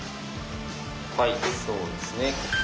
はいそうですね。